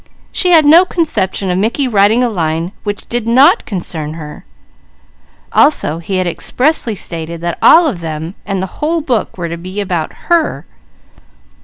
She had no conception of Mickey writing a line which did not concern her; also he had expressly stated that all of them and the whole book were to be about her.